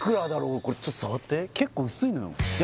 これちょっと触って結構薄いのよいや